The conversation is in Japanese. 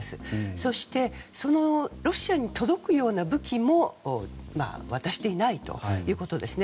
そしてそのロシアに届くような武器も渡していないということですね。